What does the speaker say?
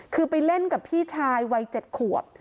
คือไปเล่นกับพี่ชายวัย๗ขวบ